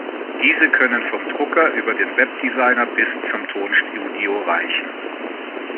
Diese können vom Drucker über den Webdesigner bis zum Tonstudio reichen.